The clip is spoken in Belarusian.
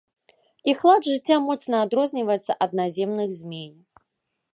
Іх лад жыцця моцна адрозніваецца ад наземных змей.